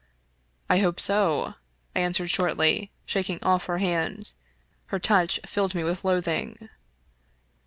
" I hope so," I answered shortly, shaking off her hand ; her touch filled me with loathing.